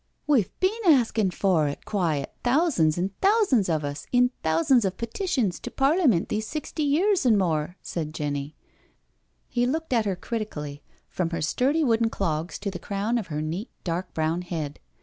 " We've been askin' for it quiet thousands an' thou sands of us in thousands of petitions to Parliment these sixty years an' more/' said Jenny. He looked at her critically, from her sturdy wooden clogs to the crown of her neat dark brown head.